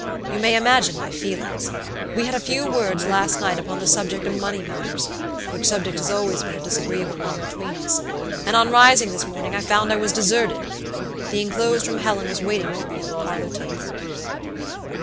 You may imagine my feelings! We had a few words last night upon the subject of money matters, which subject has always been a disagreeable one between us, and on rising this morning I found I was deserted! The enclosed from Helen was waiting for me on the parlor table.